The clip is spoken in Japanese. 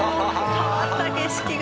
変わった景色が。